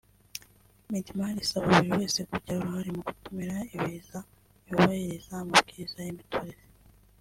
Midimar isaba buri wese ‘kugira uruhare mu gukumira ibiza yubahiriza amabwiriza y’imiturire